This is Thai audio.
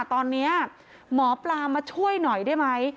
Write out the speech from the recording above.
ตอนนี้หมอปลามาช่วยหน่อยได้ไหม